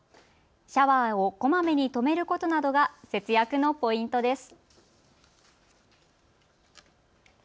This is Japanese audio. シャワーをこまめに止めることなどが節約のポイントです。